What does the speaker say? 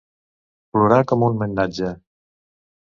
Plorar com un mainatge.